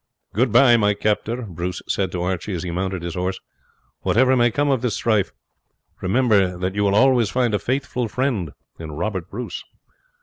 "Goodbye, my captor," Bruce said to Archie as he mounted his horse; "whatever may come of this strife, remember that you will always find a faithful friend in Robert Bruce."